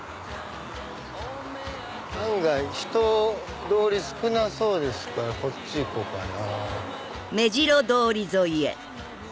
案外人通り少なそうですからこっち行こうかな。